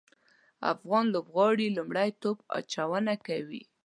افغان لوبغاړي لومړی توپ اچونه کوي